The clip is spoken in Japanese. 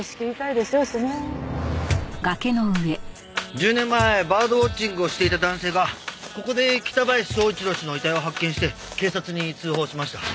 １０年前バードウォッチングをしていた男性がここで北林昭一郎氏の遺体を発見して警察に通報しました。